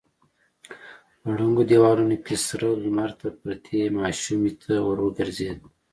په ړنګو دېوالونو کې سره لمر ته پرتې ماشومې ته ور وګرځېد.